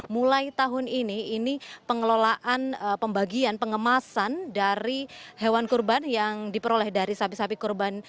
mulai tahun ini ini pengelolaan pembagian pengemasan dari hewan kurban yang diperoleh dari sapi sapi kurban